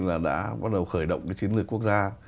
là đã bắt đầu khởi động cái chiến lược quốc gia